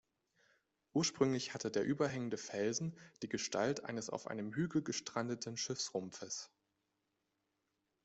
Ursprünglich hatte der überhängende Felsen die Gestalt eines auf einem Hügel gestrandeten Schiffsrumpfes.